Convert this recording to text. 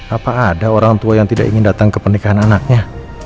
apa ada orang tua yang tidak ingin datang ke pernikahan anaknya